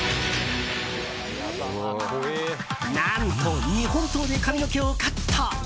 何と、日本刀で髪の毛をカット！